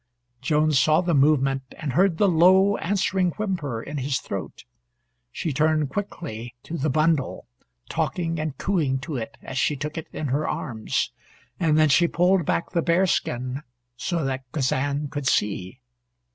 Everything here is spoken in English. Joan saw the movement, and heard the low answering whimper in his throat. She turned quickly to the bundle, talking and cooing to it as she took it in her arms, and then she pulled back the bearskin so that Kazan could see.